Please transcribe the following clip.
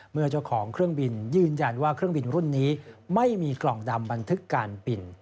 เจ้าของเครื่องบินยืนยันว่าเครื่องบินรุ่นนี้ไม่มีกล่องดำบันทึกการบิน